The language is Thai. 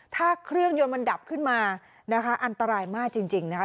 ถ้าเครื่องยนต์มันดับขึ้นมานะคะอันตรายมากจริงนะคะ